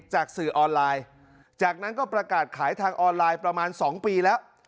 สื่อออนไลน์จากนั้นก็ประกาศขายทางออนไลน์ประมาณ๒ปีแล้ว